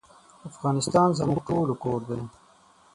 افغانستان زموږ ټولو کور دی